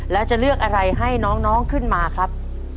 แล้วจะเลือกอะไรให้น้องขึ้นมาครับ